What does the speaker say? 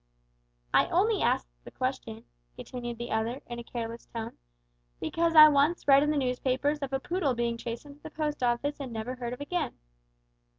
"I only ask the question," continued the other, in a careless tone, "because I once read in the newspapers of a poodle being chased into the Post Office and never heard of again.